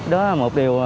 đó là một điều